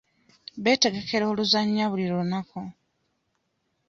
Beetegekera oluzannya buli lunaku.